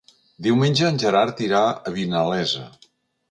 Diumenge en Gerard irà a Vinalesa.